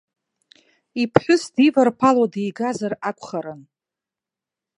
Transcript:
Иԥҳәыс диварԥало дигазар акәхарын.